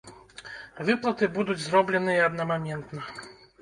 Выплаты будуць зробленыя аднамаментна.